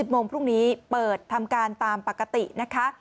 โมงพรุ่งนี้เปิดทำการตามปกตินะคะ